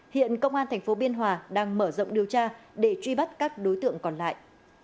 hiện công an tp biên hòa đang mở rộng điều tra để truy bắt các đối tượng còn lại